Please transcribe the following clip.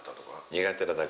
苦手なだけ。